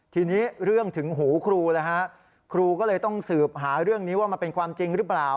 ทีนี้เรื่องถึงหูครูแล้วฮะครูก็เลยต้องสืบหาเรื่องนี้ว่ามันเป็นความจริงหรือเปล่า